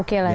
oke lah ya